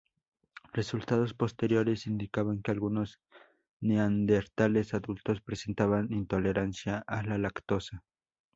Resultados posteriores indicaban que algunos neandertales adultos presentaban intolerancia a la lactosa.